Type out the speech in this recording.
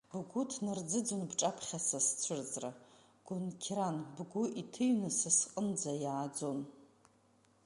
Бгәы ҭнарӡыӡон бҿаԥхьа са сцәырҵра, гәынқьран бгәы иҭыҩны са сҟынӡа иааӡоз.